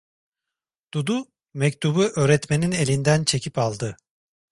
Dudu mektubu öğretmenin elinden çekip aldı.